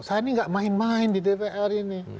saya ini gak main main di dpr ini